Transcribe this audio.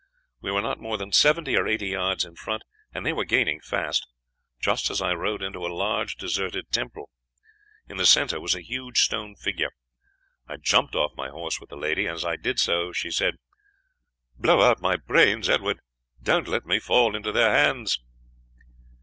We were not more than seventy or eighty yards in front, and they were gaining fast, just as I rode into a large deserted temple. In the center was a huge stone figure. I jumped off my horse with the lady, and as I did so she said, 'blow out my brains, Edward; don't let me fall into their hands.'